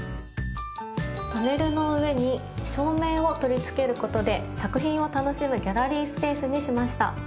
パネルの上に照明を取り付けることで作品を楽しむギャラリースペースにしました。